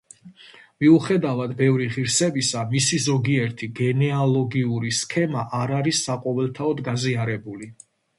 მიუხედავად ბევრი ღირსებისა, მისი ზოგიერთი გენეალოგიური სქემა არ არის საყოველთაოდ გაზიარებული.